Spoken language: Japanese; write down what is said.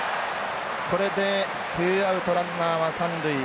これでツーアウトランナーは三塁。